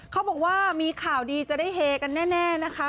เขาบอกว่ามีข่าวดีจะได้เฮกันแน่นะคะ